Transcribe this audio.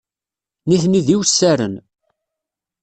Nitni d iwessaren.